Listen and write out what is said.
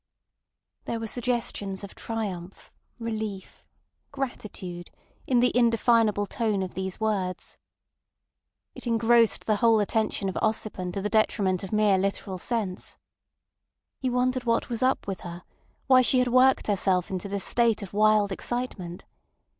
There were suggestions of triumph, relief, gratitude in the indefinable tone of these words. It engrossed the whole attention of Ossipon to the detriment of mere literal sense. He wondered what was up with her, why she had worked herself into this state of wild excitement.